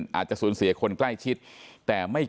ตลอดทั้งคืนตลอดทั้งคืน